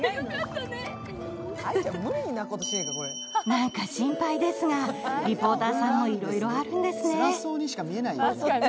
なんか心配ですが、リポーターさんもいろいろあるんですね。